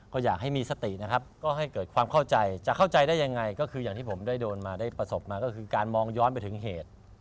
ก็อยากให้มีสตินะครับก็ให้เกิดความเข้าใจจะเข้าใจได้ยังไงก็คืออย่างที่ผมได้โดนมาได้ประสบมาก็คือการมองย้อนไปถึงเหตุ